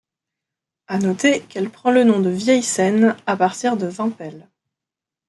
À noter qu'elle prend le nom de Vieille Seine à partir de Vimpelles.